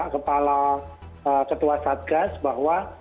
ketua saat gas bahwa